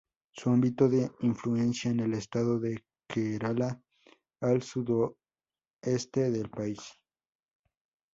Su ámbito de influencia es el estado de Kerala, al sudoeste del país.